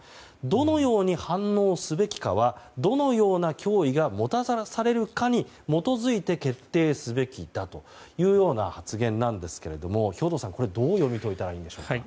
どのように反応すべきかはどのような脅威がもたらされるかに基づいて決定すべきだというような発言なんですけど兵頭さん、これはどう読み解いたらいいんでしょうか。